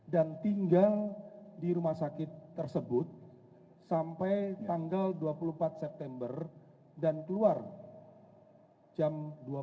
dan tinggal di rumah sakit tersebut sampai tanggal dua puluh empat september dan keluar jam dua puluh satu